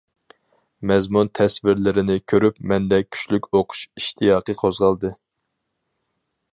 مەزمۇن تەسۋىرلىرىنى كۆرۈپ، مەندە كۈچلۈك ئوقۇش ئىشتىياقى قوزغالدى.